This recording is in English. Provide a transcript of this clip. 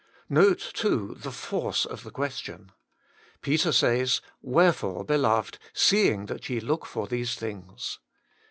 Note, too, the force of the question. Peter says, ' Wherefore, beloved, seeing that ye look for these things.'